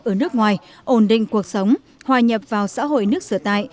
ở nước ngoài ổn định cuộc sống hòa nhập vào xã hội nước sửa tại